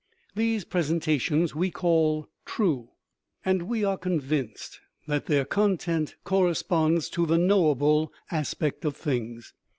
These presenta tions we call true, and we are convinced that their con tent corresponds to the knowable aspect of things.